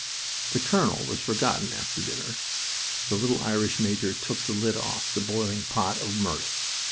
The colonel was forgotten after dinner. The little Irish major took the lid off the boiling pot of mirth.